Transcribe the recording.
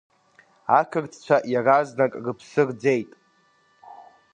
Ақырҭцәа иаразнак рыԥсы рӡеит…